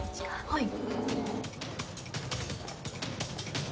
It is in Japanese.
はい。